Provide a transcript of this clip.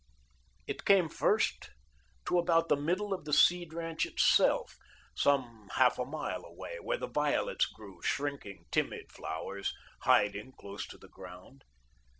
It came first to about the middle of the Seed ranch itself, some half a mile away, where the violets grew; shrinking, timid flowers, hiding close to the ground.